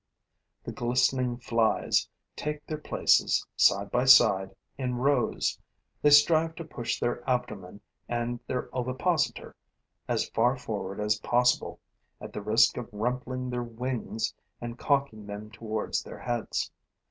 The glistening Flies take their places, side by side, in rows; they strive to push their abdomen and their ovipositor as far forward as possible, at the risk of rumpling their wings and cocking them towards their heads.